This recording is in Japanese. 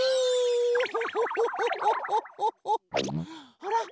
あら？